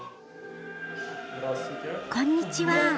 こんにちは！